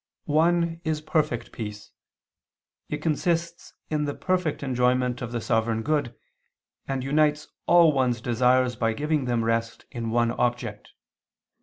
One is perfect peace. It consists in the perfect enjoyment of the sovereign good, and unites all one's desires by giving them rest in one object.